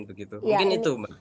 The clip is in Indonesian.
mungkin itu mbak